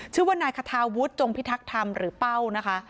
ชื่อว่านายคาทาวุฒิจงพิทักษ์ธรรมหรือเป้านะคะ